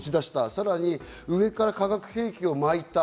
さらに上から化学兵器を撒いた。